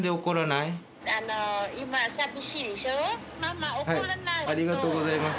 ならばありがとうございます。